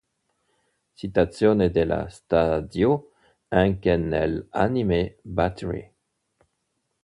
Citazione dello stadio anche nell'anime Battery